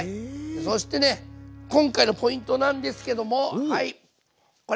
そしてね今回のポイントなんですけどもはいこれ！